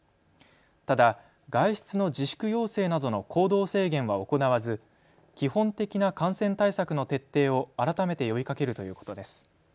ただ外出の自粛要請などの行動制限は行わず基本的な感染対策の徹底を改めて呼びかけるということです。